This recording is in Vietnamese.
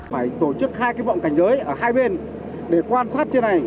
phải tổ chức hai cái bọn cảnh giới ở hai bên để quan sát trên này